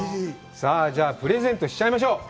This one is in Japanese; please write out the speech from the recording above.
さあ、プレゼントしちゃいましょう。